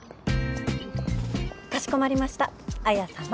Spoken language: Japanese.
かしこまりました彩矢様。